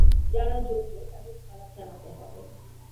যারা যোগ্য তাদের সালাম জানাতে হবে।